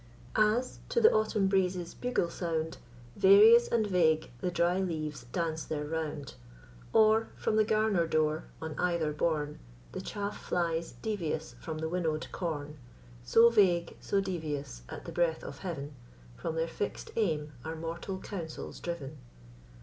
As, to the Autumn breeze's bugle sound, Various and vague the dry leaves dance their round; Or, from the garner door, on ether borne, The chaff flies devious from the winnow'd corn; So vague, so devious, at the breath of heaven, From their fix'd aim are mortal counsels driv'n.